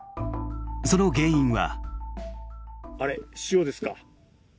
その原因は。